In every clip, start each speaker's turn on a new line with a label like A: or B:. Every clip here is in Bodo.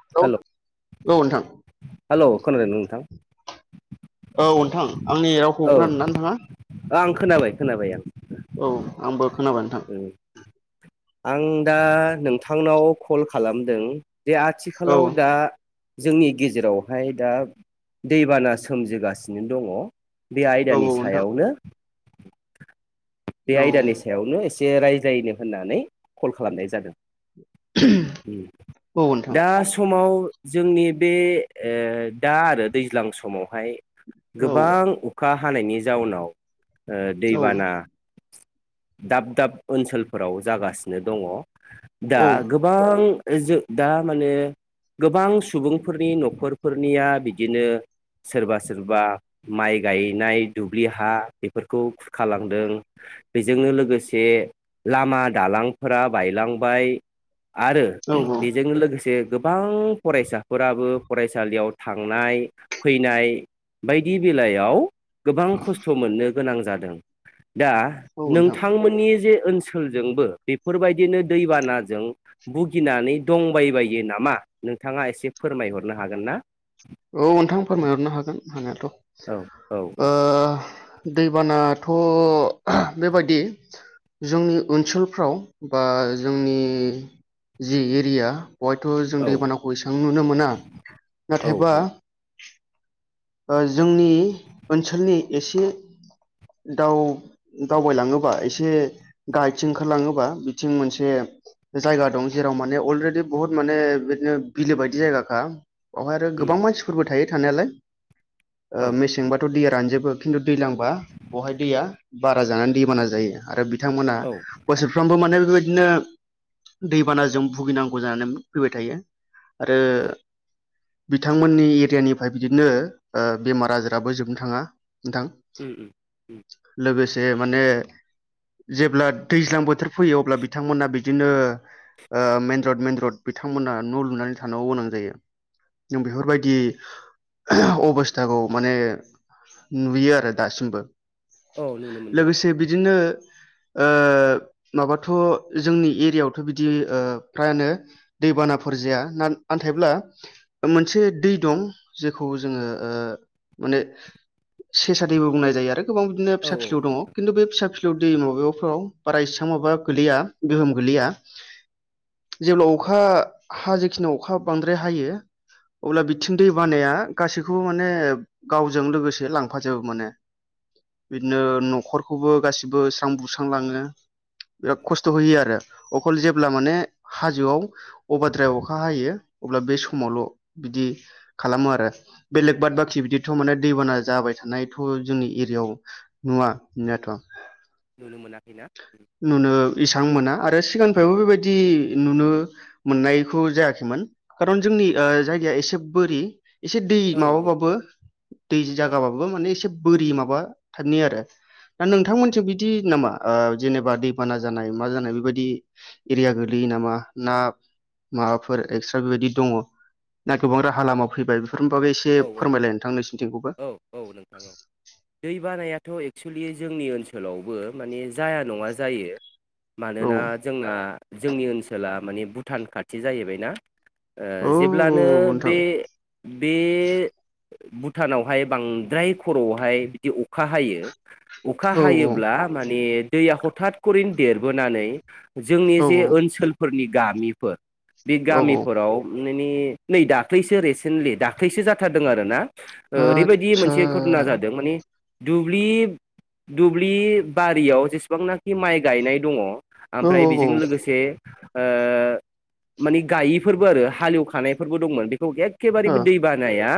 A: हेलौ औ नोंथां
B: हेलौ खोनादों नोंथां
A: औ नोंथां आंनि रावखौ
B: औ
A: खोनानोनानै थाङा
B: आं खोनाबाय खोनाबाय आं
A: औ आंबो खोनाबाय नोंथां
B: उम आं दा नोंथांनाव कल खालामदों जे
A: औ
B: आथिखालाव दा जोंनि गेजेरावहाय दा दैबाना सोमजिगासिनो दङ। बे
A: औ
B: आयदानि
A: नोंथां
B: सायावनो बे
A: औ
B: आयदानि सायावनो एसे रायज्लायनो होननानै कल खालामनाय जादों।
A: औ नोंथां
B: दा समाव जोंनि बे दा आरो दैज्लां समाव हाय
A: औ
B: गोबां अखा हानायनि जाउनाव
A: औ
B: दैबाना दाब दाब ओनसोलफोराव जागासिनो दङ। दा गोबां जो दा माने गोबां सुबुंफोरनि न'खरफोरनिया बिदिनो सोरबा सोरबा माइ गायनाय दुब्लि हा बेफोरखौ खुरखालांदों। बेजोंनो लोगोसे लामा दालांफोरा बायलांबाय। आरो बेजों लोगोसे गोबां फरायसाफोराबो फरायसालियाव थांनाय फैनाय बायदि बेलायाव गोबां खस्थ' मोननो गोनां जादों दा
A: औ नोंथां
B: नोंथांमोननि जे ओनसोलजोंबो बेफोरबायदिनो दैबानाजों भुगिनानै दंबायबायो नामा? नोंथाङा एसे फोरमायहरनो हागोन ना।
A: औ नोंथां फोरमायहरनो हागोन आंहाथ'
B: औ औ औ
A: दैबानाथ' बेबायदि जोंनि ओनसोलफ्राव बा जोंनि जि एरिया बेवहायथ' जों
B: औ
A: दैबानाखौ एसेबां नुनो मोना
B: औ
A: नाथायबा
B: औ
A: जोंनि ओनसोलनि एसे दाव दावबायलाङोबा एसे गायथिं ओंखारलाङोबा बिथिं मोनसे जायगा दं जेराव माने अलरेडि बुहुत माने बिदिनो बिलो बायदि जायगाखा। बेवहाय आरो
B: उम
A: गोबां मानसिफोरबो थायो थानायालाय।
B: औ
A: मेसेंबाथ' दैया रानजोबो। खिथु दै लांबा बेहाय दैया बारा जानानै दैबाना जायो आरो बिथांमोना
B: औ
A: बोसोरफ्रोमबो माने। बेबायदिनो दैबानाजों भुगिनांगौ जानानै फैबाय थायो। आरो
B: औ
A: बिथांमोननि एरियानिफ्राय बिदिनो बेमार आजाराबो जोबनो थाङा नोंथां
B: उम उम उम
A: लोगोसे जे माने जेब्ला दैज्लां बोथोर फैयो अब्ला बिथांमोना बिदिनो। मेन रड मेन रड बिथांमोना न' लुनानै थानांगौ गोनां जायो। बेफोरबायदि अबस्थाखौ माने नुयो आरो दासिमबो।
B: औ नुनो मोनदों
A: लोगोसे बिदिनो। माबाथ' जोंनि एरियावथ' बिदि फ्रायानो दैबानाफोर जाया ना थायब्ला मोनसे दै दं। जेखौ जोङो माने सेसादैबो बुंनाय जायो आरो। गोबां बिदिनो
B: औ
A: फिसा फिलौ दङ
B: औ
A: खिन्थु बे फिसा फिलौ दै माबायावफोराव। बारा एसेबां गोलैया गोहोम गोल्लैया। जेब्ला अखा हाजेखिनियाव अखा बांद्राय हायो अब्ला बिथिं दै बानाया गासैखौबो माने गावजों लोगोसे लांफाजोबो माने। बिदिनो
B: औ
A: न'खरखौबो गासिबो स्रां सुस्रांलांङो। बिराद खस्थ' होयो आरो अखल जेब्ला माने हाजोआव अभाद्राय अखा हायो। अब्ला बे
B: औ
A: समावल' बिदि खालामो आरो बेलेख बादबाखि बिदिथ' माने दैबाना जाबायथानायथ' जोंनि एरियायाव नु आ नुनायाथ'।
B: नुनो मोना।
A: नुनो इसां मोना आरो सिगांनिफ्रायबो बिबायदि नुनो मोन्नायखौ जायाखैमोन खारन जोंनि ओ जायगाया एसे बोरि एसे दै
B: औ
A: माबाबाबो दैजि जागाबाबो माने एसे बोरि माबा थारनि आरो दा नोंथांमैनथिं बिदि नामा। ओ जेनेबा दैबाना जानाय मा जानाय बेबादि एरिया गोलोयो नामा ना माबाफोर एस्ट्रा बिबायदि दङ ना गोबां राहालामा फैबाय? फाबो एसे
B: औ
A: फोरमायलाय नोंथां नोंसिनिथिंखौबो।
B: औ थ' एक्सुेलि जोंनि ओनसोलावबो माने जाया नङा जायो।
A: औ
B: मानोना जोंना जोंनि ओनसोला माने भुटान खाथि जाहैबायना। ओ
A: औ औ
B: जेब्लानो
A: नोंथां
B: बे बे भुटानावहाय बांद्राय खर'आवहाय बिदि अखा हायो। अखा
A: औ
B: हायोब्ला माने दैया हथाथखरिनो देरबोनानै जोंनि
A: औ
B: जे ओनसोलफोलनि गामिफोर बे
A: औ औ
B: गामिफोराव नैनि नै दाख्लैसो रेसेन्थलि दाख्लैसो जाथारदोंआरोना ओरैबादि
A: आदसा
B: मोनसे घथना जादों माने दुब्लि दुब्लि बारियाव जेसेबांनाखि माइ गायनाय दङ
A: औ
B: आमफ्राय
A: औ औ
B: बिजों लोगोसे ओ माने गायिफोरबो आरो हालेवखानायफोरबो दंमोन बेखौ एखखेबारे
A: ओ
B: बे दैबारि या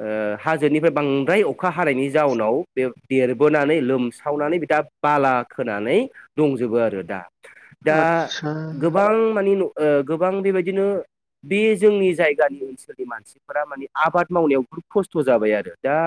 B: ओ हाजोनिफ्राय बांद्राय अखा हानायनि जाउनाव दे देरबोनानै लोमसा सावनानै बिदा बाला खोनानै दंजोबो आरो दा। दा
A: आतसा
B: गोबां मानि न ओ गोबां बेबायदिनो बे जोंनि जायगानि ओनसोलनि मानसिफोरा माने आबाद मावनायाव बुहुथ खस्थ जाबाय आरो दा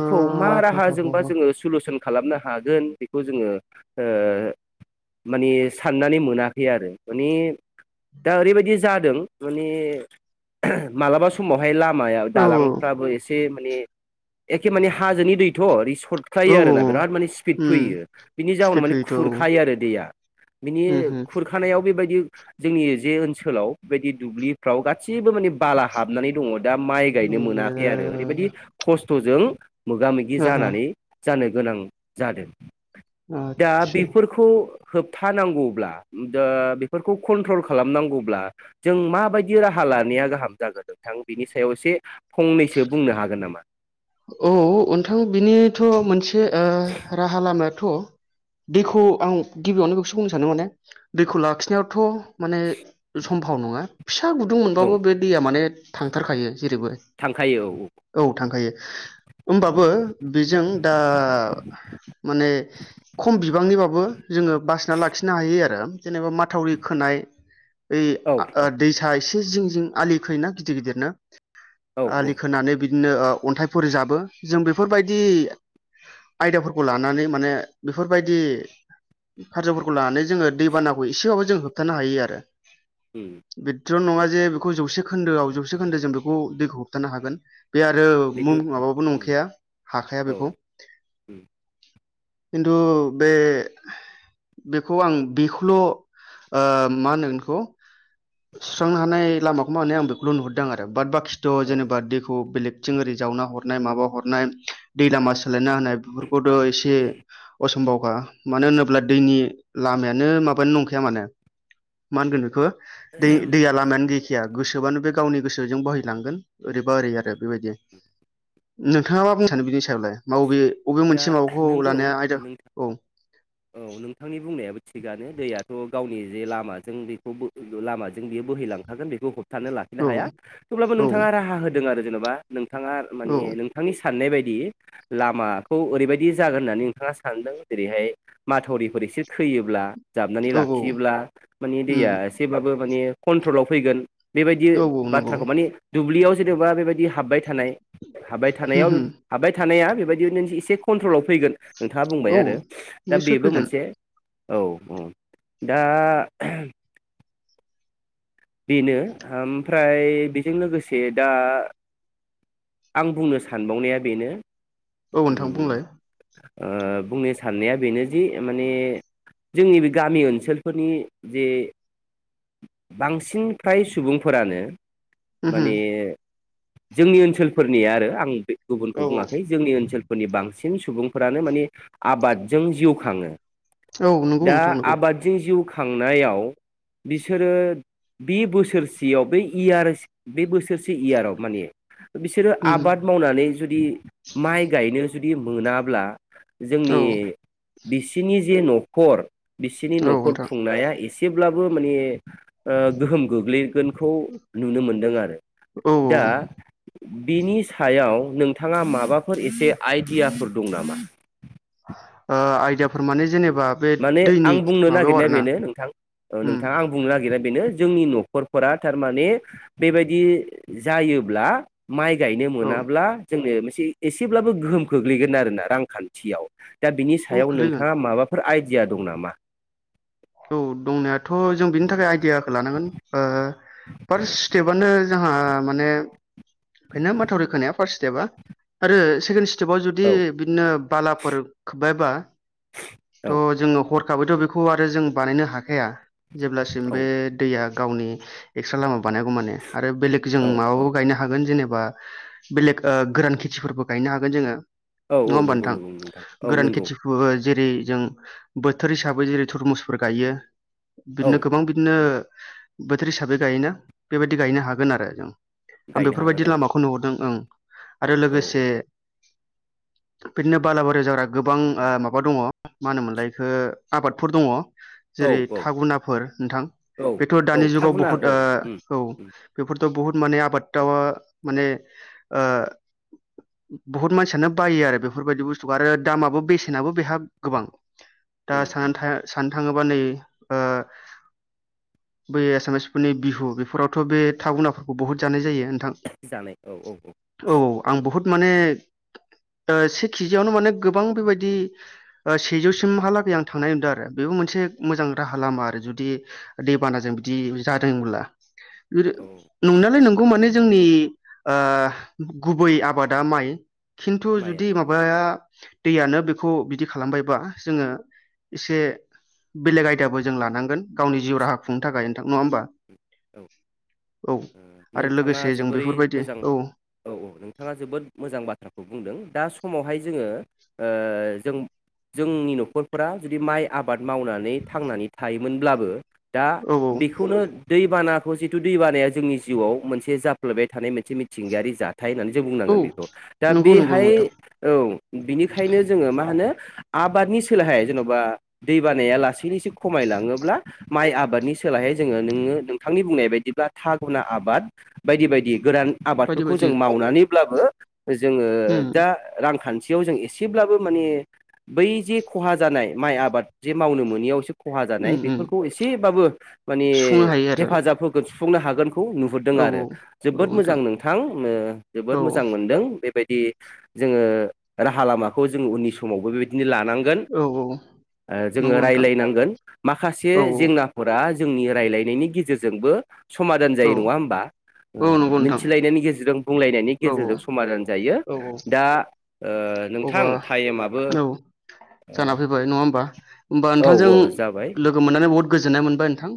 A: ओ
B: मा
A: औ
B: राहाजोंबा जोंङो सुलसन खालामनो हागोन बेखौ जोंङो ओ माने साननानै मोनाखै आरो माने दा ओरैबादि जादों माने माब्लाबा समाव फाय लामाया
A: औ
B: लांदांफ्राबो एसे माने एखे माने हाजोनि दैथ' रिस
A: औ
B: सरख्लायो आरोना बिराद माने स्फिथ
A: उम
B: फैयो बिनि जावुनाव
A: सिफिफिथ' औ
B: खुरखायो आरो दैया। बिनि
A: उमहो
B: खुरखानायाव बिबायदि जोंनि जे ओनसोलाव बेबायदि दुब्लिफ्राव गासिबो माने बाला हाबनानै दङ। दा माइ गायनो
A: ओइयो
B: मोनाखै आरो ओरैबादि खस्थजों मोगा मोगि
A: ओहो
B: जानानै जानो गोनां जादों दा
A: आदसा
B: बेफोरखौ होबथानांगौब्ला दा बेफोरखौ कन्ट्रल खालामनांगौब्ला जों माबायदि राहा लानाया गाहाम जागोन नोंथां बेनि सायाव एसे फंनैसो बुंनो हागोन नामा?
A: औ नोंथां बिनिथ मोनसे ओ राहालामाया थ'‌दैखौ आं गिबियावनो बेखौसो बुंनो सानदों माने दैखौ लाखिनायावथ माने सम्भाव नङा फिसा गुदुं
B: औ
A: मोनबो बे दैया माने थांथारखायो जेरैबो औ थाखायो ओमबाबो बेजों दा माने खम बिबांनिबाबो जोंङो बासिनानै लाखिनो हायो आरो। जेनेबा माथावरि खोनायो ओय
B: औ
A: दैसा एस जिं जिं आलि खोयोना गिदिर गिदिरनो
B: औ
A: आलि खोनानै बिदिनो अन्थाय फोर जाबो जों बेफोरबादि आयदाफोरखौ लानानै माने बेफोरबायदि खारजुफोरखौ लानानै जोङो दैबानाखौ एसेबाबो जों होबथानो हायो आरो।
B: औ
A: बे' नङा जे बेखौ जौसे खोन्दोआव जौसे खोन्दो जों बेखौ दै होबथानो हागोन बे आरो
B: बेथ'
A: मुं माबाबो नंखाया हाखाया
B: औ
A: बेखौ। खिन्थु बे बेखौ आं बेखौल ओ मा होनो बेखौ? सुस्रांनो हानाय लामाखौ माने आं बेखौल नुहरदों आरो बाट बाखिथ
B: औ
A: जेनेबा दैखौ बेलेगथिं ओरै जावना हरनाय माबा हरनाय दै लामा सोलायना होनाय बेफोरखौथ एसे असमबावखा मानो होनोब्ला दैनि लामायानो माबानो नंखाया माने मा होनगोन बेखौ दै दैया लामायानो गैखाया गोसोबानो बे गावनि गोसोजों बोहायलांगोन ओरैबा ओरै आरो बेबायदि नोंथाङा मा बुंनो सानो बिनि सायावलाय? मा बबे बबे
B: दा
A: मोनसे माबाखौ
B: नोंगौ
A: लानाया आयदा
B: नोंथ
A: औ
B: औ नोंथांनि बुंनायाबो थिगानो दैयाथ गावनि जे लामाजों बेखौ लामाजों बियो बोहैलांखागोन बेखौ ह होबथानो लाखिनो
A: औ
B: हाया थेवब्लाबो
A: औ
B: नोंथाङा राहा होदों आरो जेनबा नोंथाङा माने नोंथांनि साननाय बायदि दि लामा खौ ओरैबायदि जागोन होननानै नोंथाङा सानदों जेरैहाय माथावरिफोर एसे खोयोब्ला जाबनानै
A: औ
B: लाखियोब्ला माने
A: उम
B: दैया एसेब्लााबबो माने कन्ट्रलाव फैगोन बेबायदि
A: औ नंगौ
B: बाथ्राखौ माने दुब्लियाव जेनेबा बेबायदि हाबबाय थानाय हाब थानायाव
A: होम
B: हाबबाय थानाया बेबायदि नो एस एसे कन्ट्रलाव फैगोन नोंथाङा बुंबाय
A: होम औ
B: आरो दा
A: नोंसोर
B: बेबो
A: फैगोन
B: मोनसे औ औ दा बेनो ओमफ्राय बेजों लोगोसे दा आं बुंनो सानबावनाया बेनो।
A: औ नोंथां
B: उम
A: बुंलाय।
B: ओ बुंनो साननाया बेनो दि माने जोंनि बे गामि ओनसोलफोरनि जे बांसिन फ्राय सुबुंफोरानो
A: होम
B: माने जोंनि ओनसोलफोरनि आरो आं बे
A: औ
B: गुबुनखौ बुङाखै जोंनि ओनसोलफोरनि बांसि सिन सुबुंफोरानो मानि आबादजों जिउ खाङो।
A: औ नंगौ
B: दा
A: नोंथां नंगौ
B: आबादजों जिउ खांनायाव बिसोरो बे बोसोरसेयाव बे इयार बे बोसोरसे इयाराव माने बिसोरो
A: होम
B: आबाद मावनानै जुदि माइ गायनो जुदि मोनाब्ला
A: होम औ
B: जोंनि बिसिनि जे नखर बिसनि
A: औ
B: नखर
A: नोंथां
B: खुंनाया एसेब्लाबो माने ओ गोहोम गोग्लै। गोनखौ नुनो मोनदों आरो
A: औ
B: दा।
A: ओ
B: बिनि सायाव नोंथाङा माबाफोर एसे आइडियाफोर दं नामा?
A: आयदियाफोर माने जेनेबा बे
B: माने
A: दैनि
B: आं बुंनो
A: माबायाव
B: नागिरनाया
A: आरोना
B: बेनो नोंथां। ओ
A: उम
B: नोंथाङा आं बुंनोनागिर बेनो जोंनि नखरफोरा थारमाने बेबायदि जायोब्ला माइ गायनो
A: औ
B: मोनाब्ला जोंनो एसेब्लाबो गोहोम खोग्लैगोन आरोना रांखान्थियाव दा बिनि
A: औ
B: सायाव
A: खोलैगोन
B: नोंथाङा माबाफोर आइ दिया दं नामा?
A: औ दंनायाथ जों बिनि थाखाय आइडियाखौ लानांगोन ओ फार्स्ट स्टेप आनो ङा माने बेनो माथावरि खोनाया फासट स्टेपा आरो सि बाव जुदि
B: औ
A: बिदिनो बालाफोर खोब्बायबा थ
B: औ
A: जोङो ह खाबैथ बेखौ आरो जों बानायनो हाखाया जेब्लासिम
B: औ
A: बे दैया गावनि एक्सट्रा लामा बानायागौ माने आरो बेलेग जों
B: औ औ
A: माबाबो गायनो हागोन जेनेब बा बेलेग ओ गोरान खेथिफोरबो गायनो हागोन जोङो।
B: औ
A: नङा
B: औ
A: होमबा
B: नंगौ
A: नोंथां
B: नंगौ औ
A: गोरान
B: नंगौ
A: खेथिखौबो जेरै जों बोथोर हिसाबै जेरै थरमुसफोर गायो
B: औ
A: बिदिनो गोबां बिदिनो। बोथोर हिसाबै गायोना बेबायदि गायनो हागोन आरो जों। आं
B: गायनो हागोन
A: बेफोरबायदि
B: औ
A: लामाखौ नुहरदों ओं आरो
B: औ औ
A: लोगोसे बिदिनो बालाबारियाव जाग्रा गोबां ओ मा बा दङ मा होनोमोनलाय बेखो आबादफोर दङ जेरै
B: औ
A: थागुनाफोर नोंथां
B: औ
A: बेथ दानि
B: औ
A: जुगाव
B: थागुना
A: बुहुत
B: औ
A: ओ
B: उम
A: औ
B: उम
A: बेफोर थ' बहुत माने आबादथ' माने ओ बुहुत मानसियानो बाइयो आरो बेफोरबायदि बुस्तुखौ आरो दामाबो बेसे नयाबो बेहा गोबां दा
B: उम
A: सानया
B: उम
A: थाया सान थाङोबा नै ओ बै एसामिसफोरनि बिहु बेफोरावथ' बे थाउनाफोरखौ बहुद जानाय जायो। नोंथां
B: जानाय औ औ
A: औ आं बुहुद माने ओ से केजियावनो माने गोबां बेबाय दि ओ सेजौसिमहालागै आं थांनाय नुदों आरो बेबो मोनसे मोजां राहा लामा आरो जुदि दैबानाजों बिदि जादोंब्ला
B: औ
A: [unintelligible] नंनायालाय नों गौ माने जोंनि ओ गुबै आबादा माइ। खिन्थु जुदि
B: माइयानो
A: माबाया दैयानो बे खौ बिदि खालामबायबा जोङो एसे बेलेग आयदाबो जों लानांगोन गावनि जिउ राहा खुंनो थाखाय नोंथां नङा होमबा।
B: औ।
A: औ
B: ओ
A: आरो लोगोसे जों बेफोरबायदि औ
B: औ-औ नोंथाङा जोबोद मोजां बाथ्राखौ बुंदों दा समावहाय जोङो ओ जों-जोंनि न'खरफोरा जुदि माइ आब आबाद मावनानै थांनानै थायोमोनब्लाबो दा
A: औ
B: बेखौनो दै बानाखौ जिथु दैबानाया जोंनि जिउआव मोनसे जाफ्लेबाय थानाय मोनसे मिथिंगायारि जा थायो होननानै जों
A: औ
B: बुंनांगोन बेखौ दा
A: नंगौ नंगौ
B: बेहाय
A: नोंथां
B: औ बिनिखायनो जोङो मा होनो आबादनि सोलायहाय जेन'बा दै बानाया लासैनो एसे खमाय लाङोब्ला माइ आबादनि सोलायहै जोङो नोङो नोंथांनि बुंनाय बायदिब्ला थागुना आबाद बायदि-बायदि गोरान
A: बायदि
B: आबादफोरखौ
A: बायदि
B: जों मावनानैब्लाबो जोङो
A: उम
B: दा रांखान्थि बियाव जों एसेब्लाबो माने बै जे खहा जानाय माइ आबाद जे मावनो मोनिआवसो खहा
A: उम
B: जानाय
A: उम
B: बेफोरखौ एसेब्लाबो माने
A: सुफुंनो हायो आरो
B: हेफाजाब होगोन सुफुंनो हागोन। खौ नुहूरदों
A: औ
B: आरो जोबोद मोजां नोंथां ओ
A: औ
B: जोबोद मोजां मोनदों बेबाय दि जोङो राहा लामाखौ जों उननि समावबो बेबायदिनो ला नांगोन
A: औ औ
B: ओ जोङो
A: नंगौ नोंथां
B: रायल्जायनांगोन माखासे
A: औ
B: जेंनाफोरा जोंनि रायज्लायनायनि गेजेरजोंबो समाधान
A: औ
B: जायो नङा होमबा।
A: औ
B: ओ
A: नंगौ नोंथां
B: मिथिलायनायनि गेजेरजों बुंलायनायनि
A: औ
B: गेजेरजों समाधान जायो
A: औ औ
B: दा ओ नोंथां
A: अबा
B: टाइमा
A: औ जाना फैबाय नङा होमबा-होमबा
B: औ
A: नोंथांजों
B: औ जाबाय
A: लोगो मोननानै बहुत गोजोन न्नाय मोनबाय नोंथां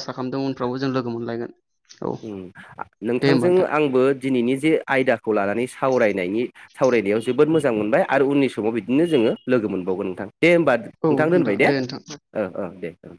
A: आसा खालामदों उनफ्रावबो जों लोगो मोनलायगोन। औ
B: उम
A: दे होमबा
B: नोंथांजों
A: नोंथां
B: आंबो दिनैनि जे आयदाखौ लानानै सावरायनायनि सावरायनायाव जोबोद मोजां मोनबाय आरो उननि समाव बिदिनो जोङो लोगो मोनबावगोन नोंथां। दे होमबा नोंथां दोनबाय दे ओ-ओ दे ओ।